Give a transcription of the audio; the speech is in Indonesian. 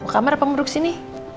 kamer apa ngenduduk sini